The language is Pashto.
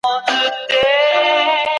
په نارو سوه چي مُلا ولاړی چرګوړی